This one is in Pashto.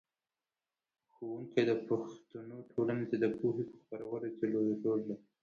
ښوونکی د پښتنو ټولنې ته د پوهې په خپرولو کې لوی رول لري.